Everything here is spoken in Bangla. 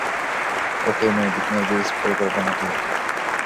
ওকে, মেভিস, পরিকল্পনা কী?